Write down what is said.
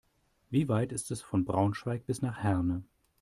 Wie weit ist es von Braunschweig bis nach Herne?